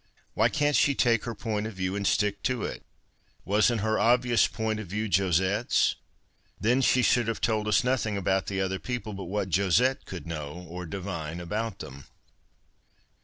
Why cant she take her point of view, and stick to it. Wasn't her obvious point of view Joscttes ? Then she should have told us nothing about the other people but what Josette could know or divine about them."